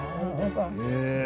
へえ。